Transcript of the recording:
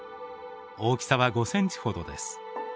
大きさは５センチほどです。